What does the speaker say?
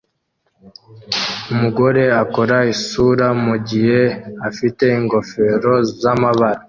Umugabo akora isura mugihe afite ingofero zamabara